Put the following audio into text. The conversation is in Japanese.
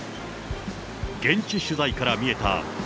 現地取材から見えたＧ２０